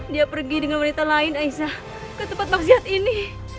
dia pergi dengan wanita lain aisyah ke tempat maksiat ini